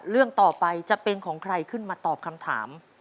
เรื่องต่อไปจะเป็นของใครขึ้นมาตอบคำถาม